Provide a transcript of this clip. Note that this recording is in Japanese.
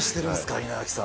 稲垣さん。